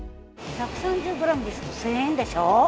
１３０グラムで１０００円でしょ。